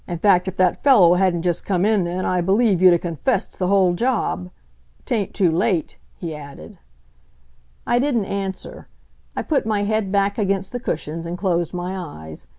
In fact, if that fellow hadn't just come in then I believe you'd 'a' confessed the whole job.... 'Tain't too late," he added. I didn't answer. I put my head back against the cushions and closed my eyes.